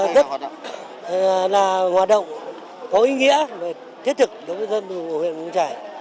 đất là hoạt động có ý nghĩa và thiết thực đối với dân mùa huyện mù căng trải